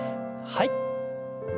はい。